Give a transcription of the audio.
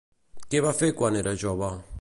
Què va fer quan era jove?